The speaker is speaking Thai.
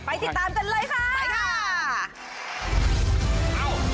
ไปติดตามกันเลยค่ะ